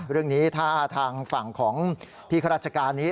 เรื่องนี้ถ้าทางฝั่งของพี่ข้าราชการนี้